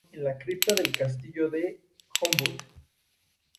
Fue inhumado en la cripta del castillo de Homburg.